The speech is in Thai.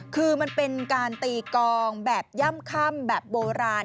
คือมันเป็นการตีกองแบบย่ำแบบโบราณ